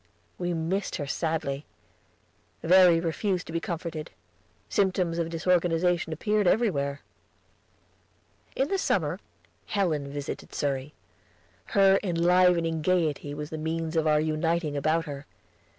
We missed her sadly. Verry refused to be comforted. Symptoms of disorganization appeared everywhere. In the summer Helen visited Surrey. Her enlivening gayety was the means of our uniting about her.